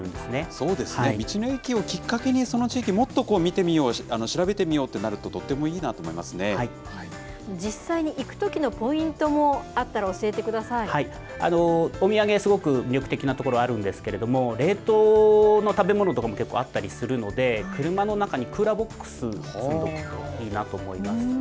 そうですね、道の駅をきっかけに、その地域、もっと見てみよう、調べてみようとなると、実際に行くときのポイントも、お土産、すごく魅力的な所あるんですけれども、冷凍の食べ物とかも結構あったりするので、車の中にクーラーボックスを積んどくといいなと思います。